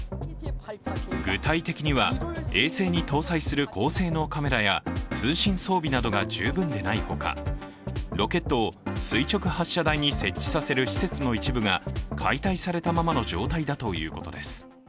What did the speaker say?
具体的には、衛星に搭載する高性能カメラや通信装備などが十分でないほかロケットを垂直発射台に設置させる施設の一部が解体されたままの状態だということです。